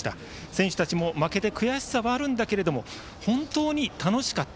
選手たちも負けて悔しさはあるが本当に楽しかった。